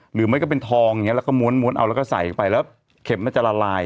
หรือไม่ก็เป็นทองอย่างนี้แล้วก็ม้วนเอาแล้วก็ใส่ไปแล้วเข็มมันจะละลาย